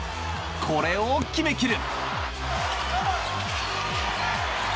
これを決めきる！